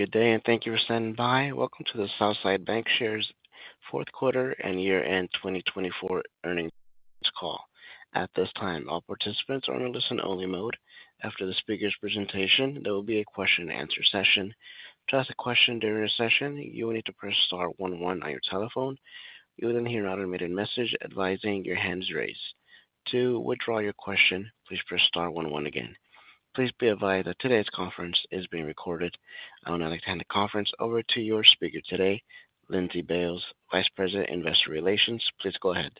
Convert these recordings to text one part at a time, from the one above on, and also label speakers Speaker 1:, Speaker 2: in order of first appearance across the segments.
Speaker 1: Good day, and thank you for standing by. Welcome to the Southside Bancshares Fourth Quarter and Year End 2024 Earnings Call. At this time, all participants are in a listen-only mode. After the speaker's presentation, there will be a question-and-answer session. To ask a question during the session, you will need to press star one one on your telephone. You will then hear an automated message advising that your hand is raised. To withdraw your question, please press star one one again. Please be advised that today's conference is being recorded. I would now like to hand the conference over to your speaker today, Lindsey Bailes, Vice President, Investor Relations. Please go ahead.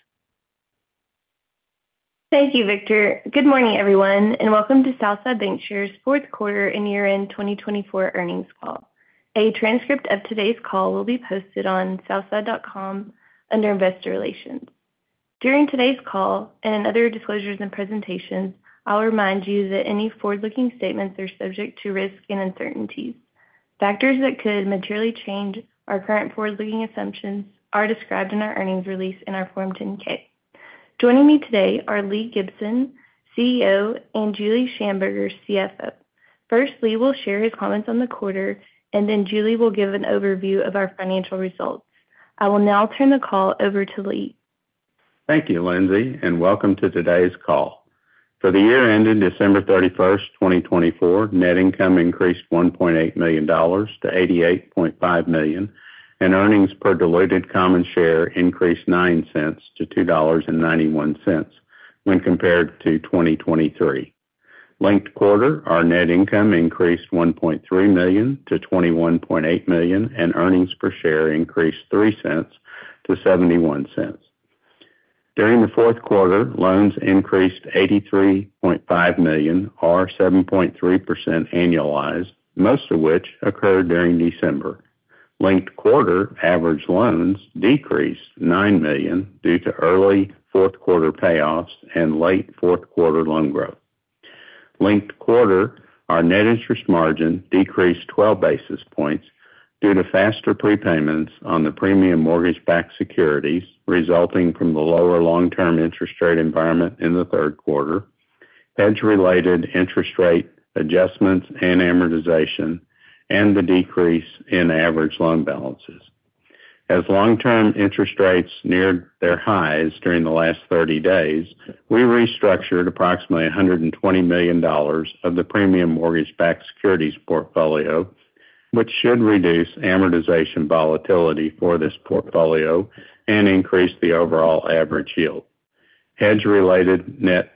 Speaker 2: Thank you, Victor. Good morning, everyone, and welcome to Southside Bancshares Fourth Quarter and Year End 2024 Earnings Call. A transcript of today's call will be posted on southside.com under Investor Relations. During today's call and other disclosures and presentations, I'll remind you that any forward-looking statements are subject to risk and uncertainties. Factors that could materially change our current forward-looking assumptions are described in our earnings release and our Form 10-K. Joining me today are Lee Gibson, CEO, and Julie Shamburger, CFO. First, Lee will share his comments on the quarter, and then Julie will give an overview of our financial results. I will now turn the call over to Lee.
Speaker 3: Thank you, Lindsey, and welcome to today's call. For the year ending December 31st, 2024, net income increased $1.8 million to $88.5 million, and earnings per diluted common share increased $0.09 to $2.91 when compared to 2023. Linked quarter, our net income increased $1.3 million to $21.8 million, and earnings per share increased $0.03 to $0.71. During the fourth quarter, loans increased $83.5 million, or 7.3% annualized, most of which occurred during December. Linked quarter average loans decreased $9 million due to early fourth quarter payoffs and late fourth quarter loan growth. Linked quarter, our net interest margin decreased 12 basis points due to faster prepayments on the premium mortgage-backed securities resulting from the lower long-term interest rate environment in the third quarter, hedge-related interest rate adjustments and amortization, and the decrease in average loan balances. As long-term interest rates neared their highs during the last 30 days, we restructured approximately $120 million of the premium mortgage-backed securities portfolio, which should reduce amortization volatility for this portfolio and increase the overall average yield. Hedge-related net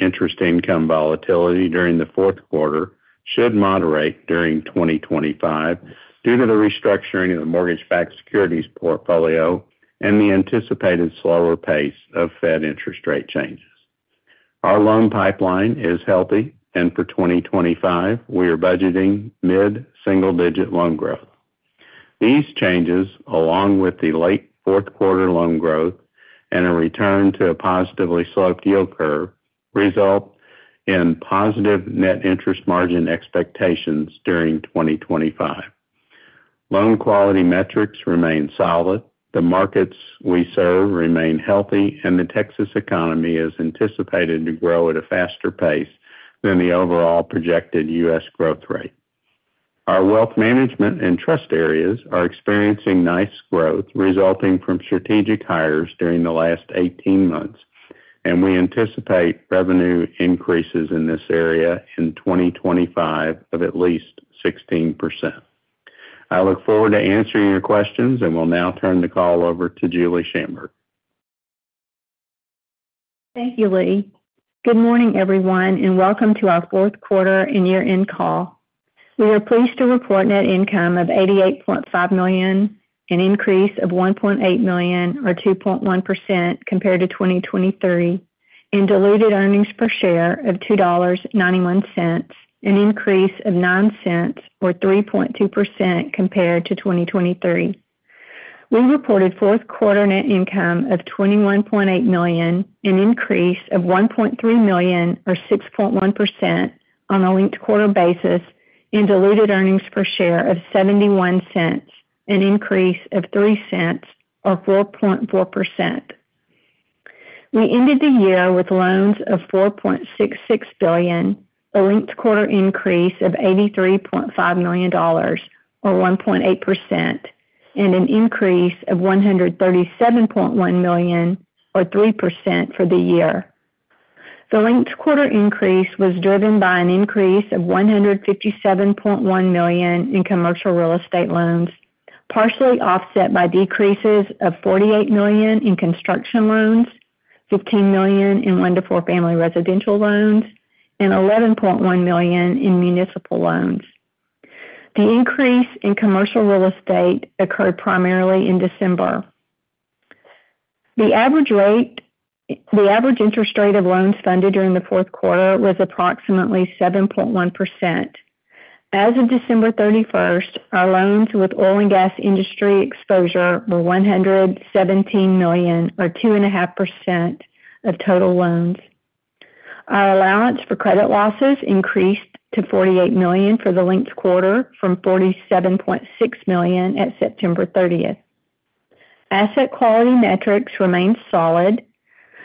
Speaker 3: interest income volatility during the fourth quarter should moderate during 2025 due to the restructuring of the mortgage-backed securities portfolio and the anticipated slower pace of Fed interest rate changes. Our loan pipeline is healthy, and for 2025, we are budgeting mid-single-digit loan growth. These changes, along with the late fourth quarter loan growth and a return to a positively sloped yield curve, result in positive net interest margin expectations during 2025. Loan quality metrics remain solid, the markets we serve remain healthy, and the Texas economy is anticipated to grow at a faster pace than the overall projected U.S. growth rate. Our wealth management and trust areas are experiencing nice growth resulting from strategic hires during the last 18 months, and we anticipate revenue increases in this area in 2025 of at least 16%. I look forward to answering your questions and will now turn the call over to Julie Shamburger.
Speaker 4: Thank you, Lee. Good morning, everyone, and welcome to our Fourth Quarter and Year End Call. We are pleased to report net income of $88.5 million, an increase of $1.8 million, or 2.1% compared to 2023, and diluted earnings per share of $2.91, an increase of $0.09, or 3.2% compared to 2023. We reported fourth quarter net income of $21.8 million, an increase of $1.3 million, or 6.1% on a linked quarter basis, and diluted earnings per share of $0.71, an increase of $0.03, or 4.4%. We ended the year with loans of $4.66 billion, a linked quarter increase of $83.5 million, or 1.8%, and an increase of $137.1 million, or 3% for the year. The linked quarter increase was driven by an increase of $157.1 million in commercial real estate loans, partially offset by decreases of $48 million in construction loans, $15 million in one-to-four family residential loans, and $11.1 million in municipal loans. The increase in commercial real estate occurred primarily in December. The average interest rate of loans funded during the fourth quarter was approximately 7.1%. As of December 31st, our loans with oil and gas industry exposure were $117 million, or 2.5% of total loans. Our allowance for credit losses increased to $48 million for the linked quarter from $47.6 million at September 30th. Asset quality metrics remained solid.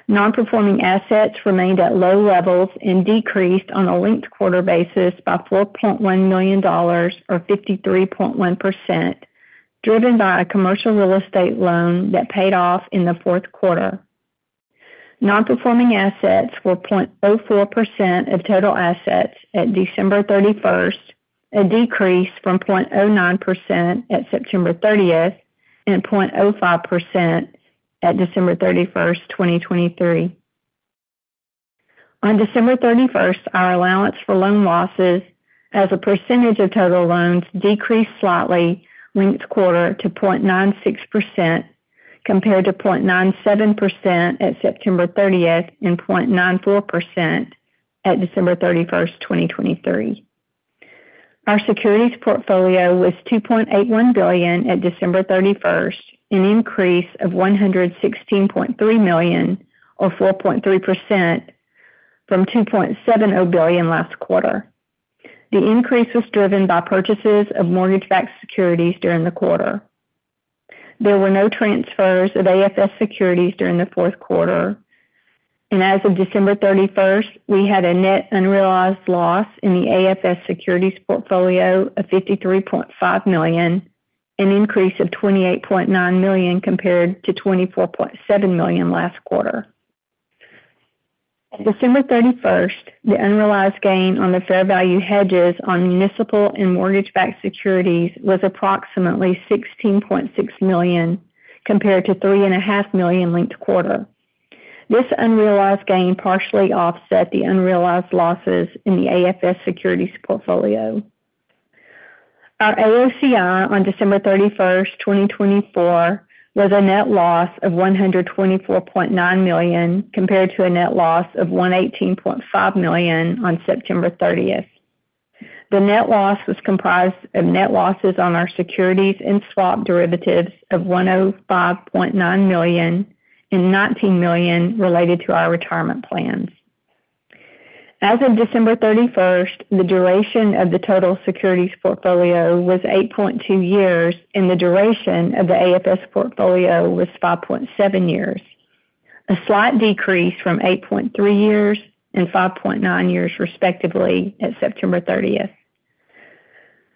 Speaker 4: Nonperforming assets remained at low levels and decreased on a linked quarter basis by $4.1 million, or 53.1%, driven by a commercial real estate loan that paid off in the fourth quarter. Nonperforming assets were 0.04% of total assets at December 31st, a decrease from 0.09% at September 30th and 0.05% at December 31st, 2023. On December 31st, our allowance for loan losses as a percentage of total loans decreased slightly, linked quarter, to 0.96% compared to 0.97% at September 30th and 0.94% at December 31st, 2023. Our securities portfolio was $2.81 billion at December 31st, an increase of $116.3 million, or 4.3% from $2.70 billion last quarter. The increase was driven by purchases of mortgage-backed securities during the quarter. There were no transfers of AFS securities during the fourth quarter, and as of December 31st, we had a net unrealized loss in the AFS securities portfolio of $53.5 million, an increase of $28.9 million compared to $24.7 million last quarter. On December 31st, the unrealized gain on the fair value hedges on municipal and mortgage-backed securities was approximately $16.6 million compared to $3.5 million linked quarter. This unrealized gain partially offset the unrealized losses in the AFS securities portfolio. Our AOCI on December 31st, 2024, was a net loss of $124.9 million compared to a net loss of $118.5 million on September 30th. The net loss was comprised of net losses on our securities and swap derivatives of $105.9 million and $19 million related to our retirement plans. As of December 31st, the duration of the total securities portfolio was 8.2 years, and the duration of the AFS portfolio was 5.7 years, a slight decrease from 8.3 years and 5.9 years, respectively, at September 30th.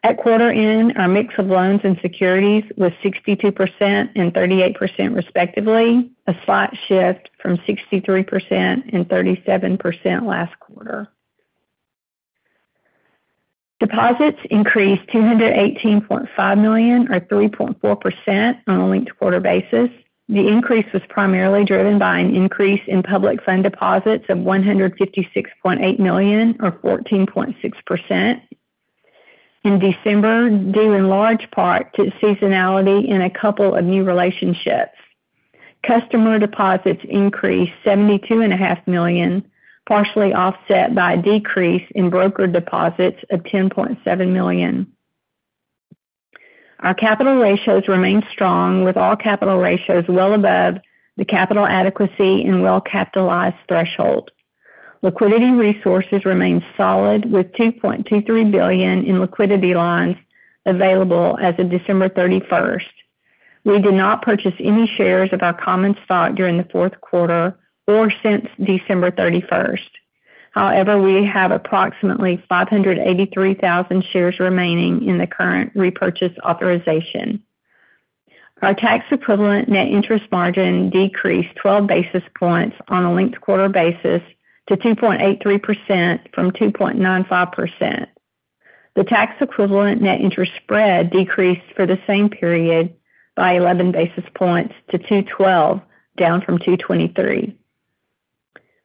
Speaker 4: At quarter end, our mix of loans and securities was 62% and 38%, respectively, a slight shift from 63% and 37% last quarter. Deposits increased $218.5 million, or 3.4%, on a linked quarter basis. The increase was primarily driven by an increase in public fund deposits of $156.8 million, or 14.6%, in December, due in large part to seasonality and a couple of new relationships. Customer deposits increased $72.5 million, partially offset by a decrease in broker deposits of $10.7 million. Our capital ratios remained strong, with all capital ratios well above the capital adequacy and well-capitalized threshold. Liquidity resources remained solid, with $2.23 billion in liquidity lines available as of December 31st. We did not purchase any shares of our common stock during the fourth quarter or since December 31st. However, we have approximately 583,000 shares remaining in the current repurchase authorization. Our tax equivalent net interest margin decreased 12 basis points on a linked quarter basis to 2.83% from 2.95%. The tax equivalent net interest spread decreased for the same period by 11 basis points to 2.12%, down from 2.23%.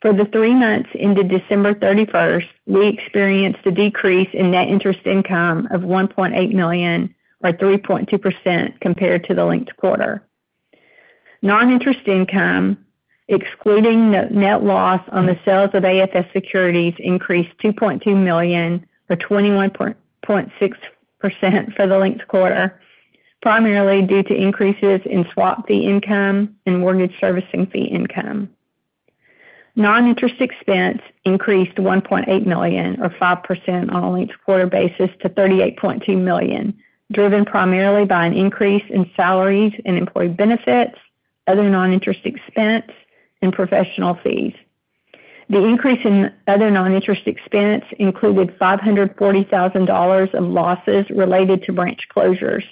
Speaker 4: For the three months ended December 31st, we experienced a decrease in net interest income of $1.8 million, or 3.2%, compared to the linked quarter. Non-interest income, excluding net loss on the sales of AFS securities, increased $2.2 million, or 21.6%, for the linked quarter, primarily due to increases in swap fee income and mortgage servicing fee income. Non-interest expense increased $1.8 million, or 5% on a linked quarter basis, to $38.2 million, driven primarily by an increase in salaries and employee benefits, other non-interest expense, and professional fees. The increase in other non-interest expense included $540,000 of losses related to branch closures.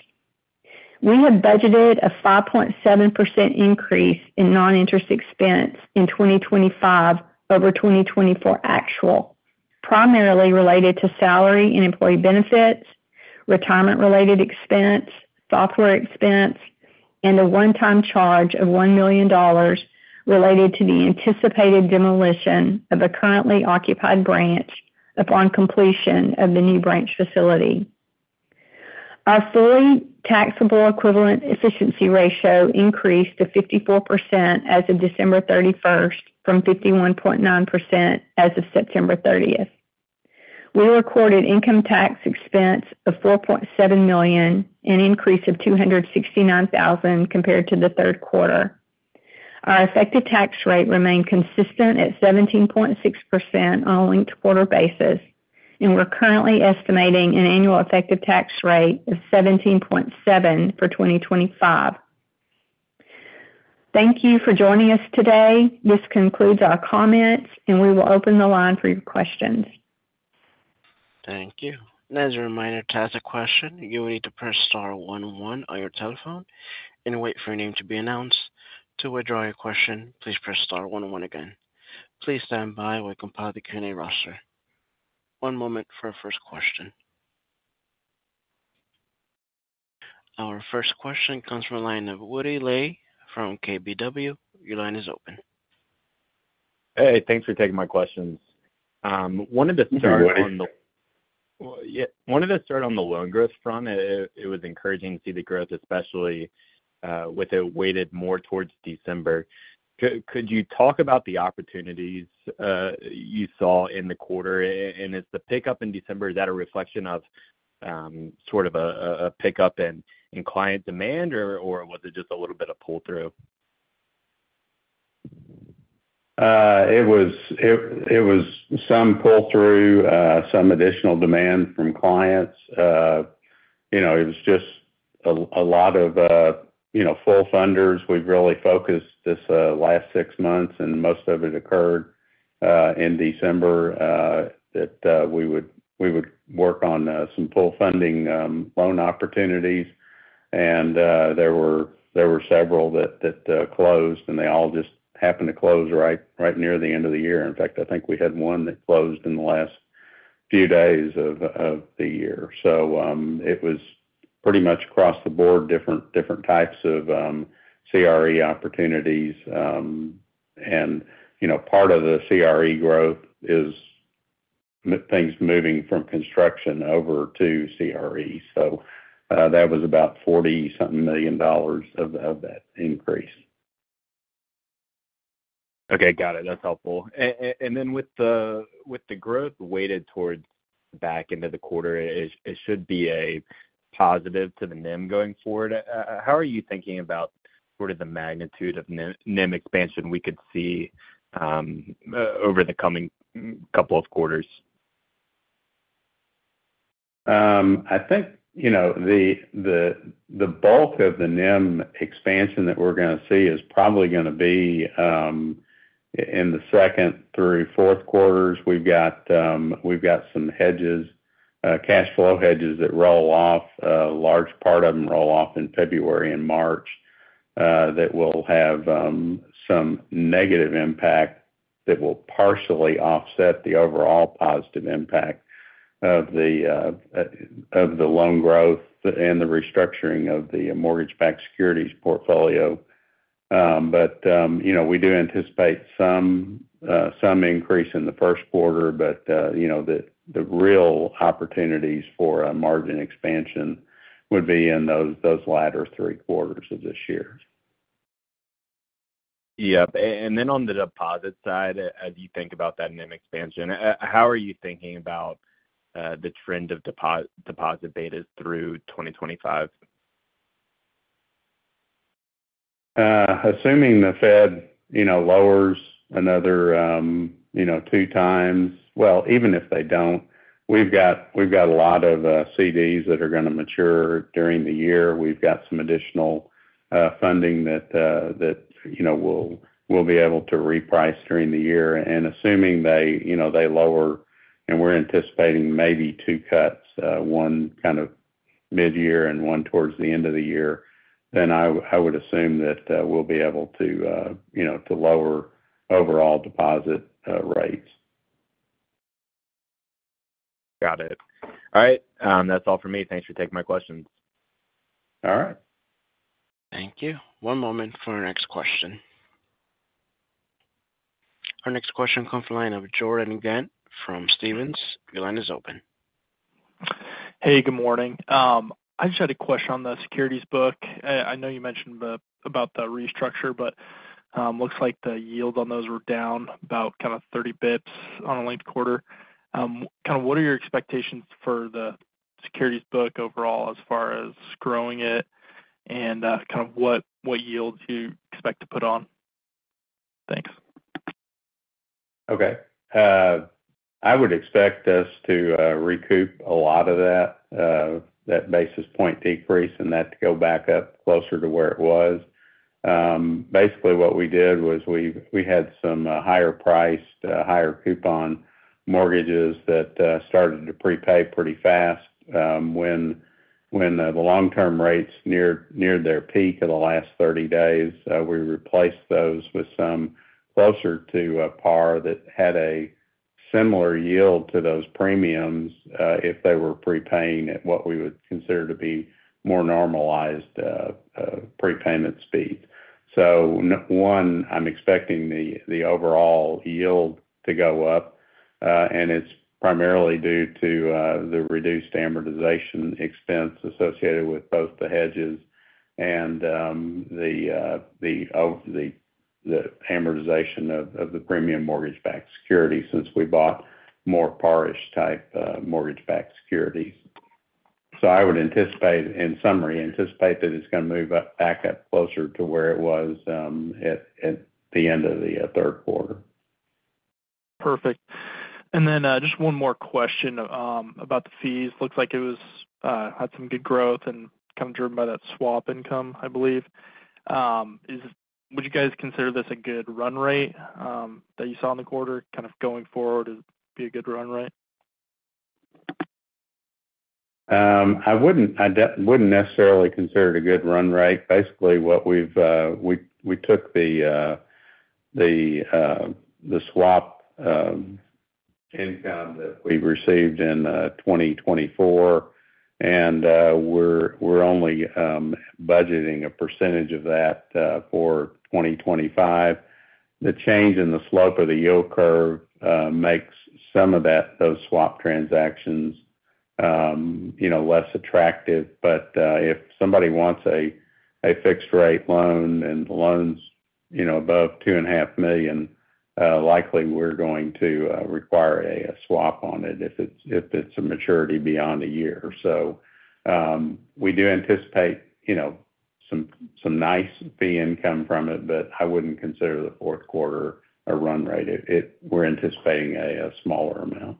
Speaker 4: We have budgeted a 5.7% increase in non-interest expense in 2025 over 2024 actual, primarily related to salary and employee benefits, retirement-related expense, software expense, and a one-time charge of $1 million related to the anticipated demolition of a currently occupied branch upon completion of the new branch facility. Our fully taxable equivalent efficiency ratio increased to 54% as of December 31st from 51.9% as of September 30th. We recorded income tax expense of $4.7 million, an increase of $269,000 compared to the third quarter. Our effective tax rate remained consistent at 17.6% on a linked quarter basis, and we're currently estimating an annual effective tax rate of 17.7% for 2025. Thank you for joining us today. This concludes our comments, and we will open the line for your questions.
Speaker 1: Thank you. And as a reminder to ask a question, you will need to press star one one on your telephone and wait for your name to be announced. To withdraw your question, please press star one one again. Please stand by while we compile the Q&A roster. One moment for our first question. Our first question comes from a line of Woody Lay from KBW. Your line is open.
Speaker 5: Hey, thanks for taking my questions. I wanted to start on the.
Speaker 3: Woody?
Speaker 5: Yeah. I wanted to start on the loan growth front. It was encouraging to see the growth, especially with it weighted more towards December. Could you talk about the opportunities you saw in the quarter? And is the pickup in December, is that a reflection of sort of a pickup in client demand, or was it just a little bit of pull-through?
Speaker 3: It was some pull-through, some additional demand from clients. It was just a lot of full funders. We've really focused this last six months, and most of it occurred in December that we would work on some full funding loan opportunities. And there were several that closed, and they all just happened to close right near the end of the year. In fact, I think we had one that closed in the last few days of the year. So it was pretty much across the board, different types of CRE opportunities. And part of the CRE growth is things moving from construction over to CRE. So that was about $40-something million of that increase.
Speaker 5: Okay. Got it. That's helpful, and then with the growth weighted towards back into the quarter, it should be a positive to the NIM going forward. How are you thinking about sort of the magnitude of NIM expansion we could see over the coming couple of quarters?
Speaker 3: I think the bulk of the NIM expansion that we're going to see is probably going to be in the second through fourth quarters. We've got some hedges, cash flow hedges that roll off. A large part of them roll off in February and March that will have some negative impact that will partially offset the overall positive impact of the loan growth and the restructuring of the mortgage-backed securities portfolio. But we do anticipate some increase in the first quarter, but the real opportunities for margin expansion would be in those latter three quarters of this year.
Speaker 5: Yep. And then on the deposit side, as you think about that NIM expansion, how are you thinking about the trend of deposit betas through 2025?
Speaker 3: Assuming the Fed lowers another two times, well, even if they don't, we've got a lot of CDs that are going to mature during the year. We've got some additional funding that we'll be able to reprice during the year. And assuming they lower, and we're anticipating maybe two cuts, one kind of mid-year and one towards the end of the year, then I would assume that we'll be able to lower overall deposit rates.
Speaker 5: Got it. All right. That's all for me. Thanks for taking my questions.
Speaker 3: All right.
Speaker 1: Thank you. One moment for our next question. Our next question comes from the line of Jordan Ghent from Stephens. Your line is open.
Speaker 6: Hey, good morning. I just had a question on the securities book. I know you mentioned about the restructure, but it looks like the yield on those were down about kind of 30 bps on a linked quarter. Kind of what are your expectations for the securities book overall as far as growing it and kind of what yields you expect to put on? Thanks.
Speaker 3: Okay. I would expect us to recoup a lot of that basis point decrease and that to go back up closer to where it was. Basically, what we did was we had some higher-priced, higher-coupon mortgages that started to prepay pretty fast. When the long-term rates neared their peak of the last 30 days, we replaced those with some closer to par that had a similar yield to those premiums if they were prepaying at what we would consider to be more normalized prepayment speed. So one, I'm expecting the overall yield to go up, and it's primarily due to the reduced amortization expense associated with both the hedges and the amortization of the premium mortgage-backed securities since we bought more par-type mortgage-backed securities. So I would, in summary, anticipate that it's going to move back up closer to where it was at the end of the third quarter.
Speaker 6: Perfect, and then just one more question about the fees. Looks like it had some good growth and kind of driven by that swap income, I believe. Would you guys consider this a good run rate that you saw in the quarter? Kind of going forward, it'd be a good run rate?
Speaker 3: I wouldn't necessarily consider it a good run rate. Basically, we took the swap income that we received in 2024, and we're only budgeting a percentage of that for 2025. The change in the slope of the yield curve makes some of those swap transactions less attractive. But if somebody wants a fixed-rate loan and the loan's above $2.5 million, likely we're going to require a swap on it if it's a maturity beyond a year. So we do anticipate some nice fee income from it, but I wouldn't consider the fourth quarter a run rate. We're anticipating a smaller amount.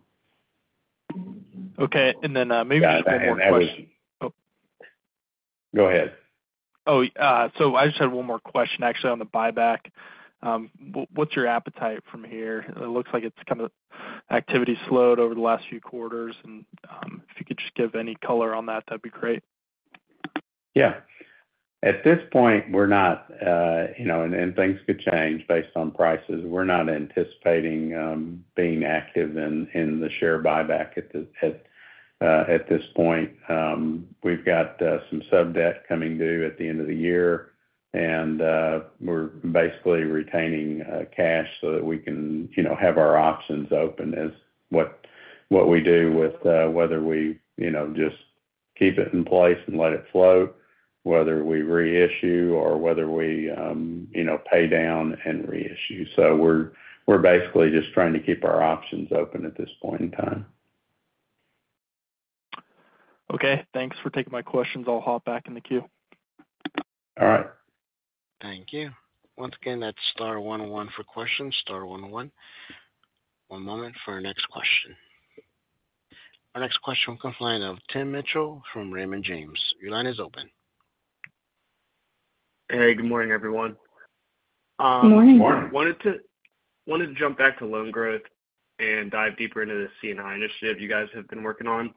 Speaker 6: Okay. And then maybe just one more question.
Speaker 3: Got it. My next. Oh. Go ahead.
Speaker 6: Oh, so I just had one more question, actually, on the buyback. What's your appetite from here? It looks like it's kind of activity slowed over the last few quarters. And if you could just give any color on that, that'd be great.
Speaker 3: Yeah. At this point, we're not, and things could change based on prices, we're not anticipating being active in the share buyback at this point. We've got some sub-debt coming due at the end of the year, and we're basically retaining cash so that we can have our options open, is what we do with whether we just keep it in place and let it float, whether we reissue, or whether we pay down and reissue, so we're basically just trying to keep our options open at this point in time.
Speaker 6: Okay. Thanks for taking my questions. I'll hop back in the queue.
Speaker 3: All right.
Speaker 1: Thank you. Once again, that's star one one for questions. Star one one. One moment for our next question. Our next question comes from the line of Tim Mitchell from Raymond James. Your line is open.
Speaker 7: Hey, good morning, everyone.
Speaker 4: Good morning.
Speaker 7: Wanted to jump back to loan growth and dive deeper into the C&I initiative you guys have been working on.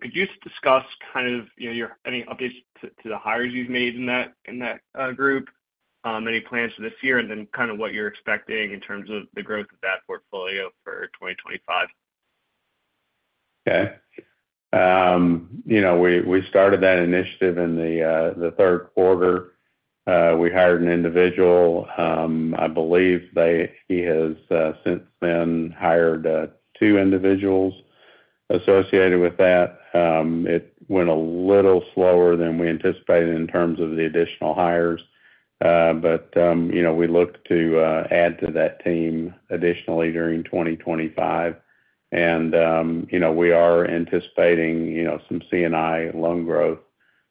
Speaker 7: Could you discuss kind of any updates to the hires you've made in that group, any plans for this year, and then kind of what you're expecting in terms of the growth of that portfolio for 2025?
Speaker 3: Okay. We started that initiative in the third quarter. We hired an individual. I believe he has since then hired two individuals associated with that. It went a little slower than we anticipated in terms of the additional hires, but we looked to add to that team additionally during 2025, and we are anticipating some C&I loan growth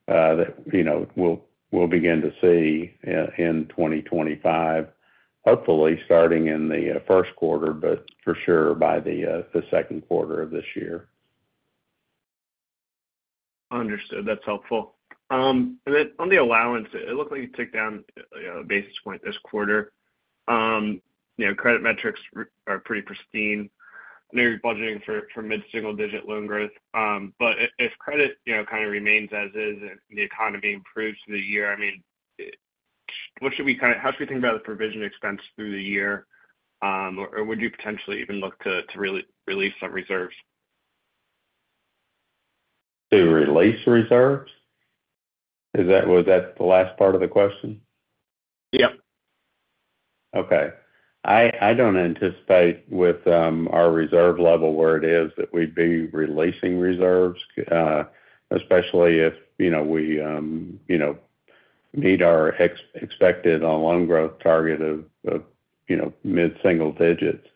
Speaker 3: that we'll begin to see in 2025, hopefully starting in the first quarter, but for sure by the second quarter of this year.
Speaker 7: Understood. That's helpful. And then on the allowances, it looks like you took down a basis point this quarter. Credit metrics are pretty pristine. I know you're budgeting for mid-single-digit loan growth. But if credit kind of remains as is and the economy improves through the year, I mean, what should we kind of, how should we think about the provision expense through the year? Or would you potentially even look to release some reserves?
Speaker 3: To release reserves? Was that the last part of the question?
Speaker 7: Yep.
Speaker 3: Okay. I don't anticipate with our reserve level where it is that we'd be releasing reserves, especially if we meet our expected loan growth target of mid-single digits.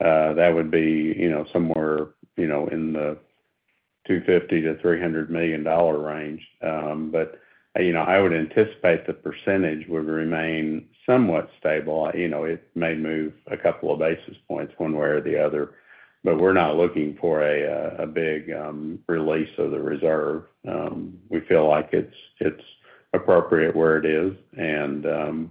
Speaker 3: That would be somewhere in the $250 million-$300 million range. But I would anticipate the percentage would remain somewhat stable. It may move a couple of basis points one way or the other, but we're not looking for a big release of the reserve. We feel like it's appropriate where it is. And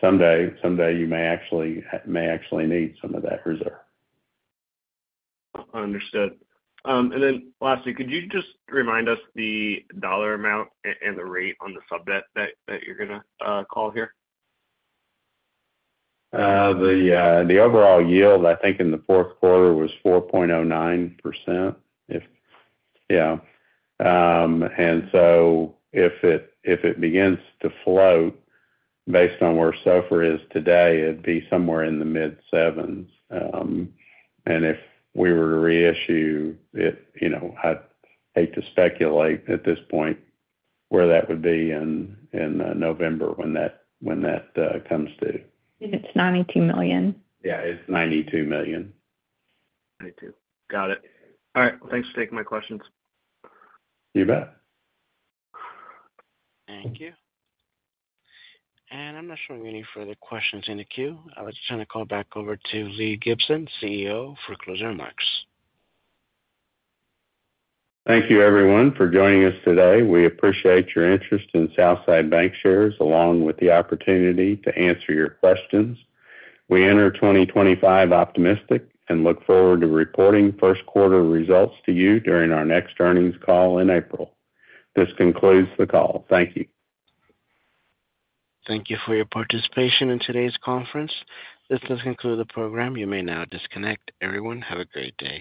Speaker 3: someday you may actually need some of that reserve.
Speaker 7: Understood, and then lastly, could you just remind us the dollar amount and the rate on the sub-debt that you're going to call here?
Speaker 3: The overall yield, I think in the fourth quarter was 4.09%. Yeah. And so if it begins to float based on where SOFR is today, it'd be somewhere in the mid-sevens. And if we were to reissue, I'd hate to speculate at this point where that would be in November when that comes to.
Speaker 4: I think it's $92 million.
Speaker 3: Yeah, it's $92 million.
Speaker 7: $92. Got it. All right. Thanks for taking my questions.
Speaker 3: You bet.
Speaker 1: Thank you. And I'm not showing any further questions in the queue. I would just like to call back over to Lee Gibson, CEO, for closing remarks.
Speaker 3: Thank you, everyone, for joining us today. We appreciate your interest in Southside Bancshares along with the opportunity to answer your questions. We enter 2025 optimistic and look forward to reporting first-quarter results to you during our next earnings call in April. This concludes the call. Thank you.
Speaker 1: Thank you for your participation in today's conference. This does conclude the program. You may now disconnect. Everyone, have a great day.